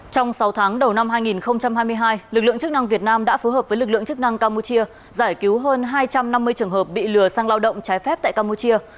trong sáu tháng đầu năm hai nghìn hai mươi hai lực lượng chức năng việt nam đã phối hợp với lực lượng chức năng campuchia giải cứu hơn hai trăm năm mươi trường hợp bị lừa sang lao động trái phép tại campuchia